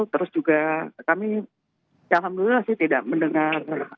terus juga kami alhamdulillah sih tidak mendengar